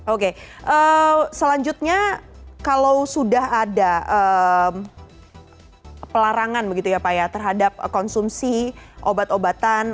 oke selanjutnya kalau sudah ada pelarangan begitu ya pak ya terhadap konsumsi obat obatan